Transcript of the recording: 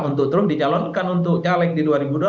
untuk turun dicalonkan untuk caleg di dua ribu dua puluh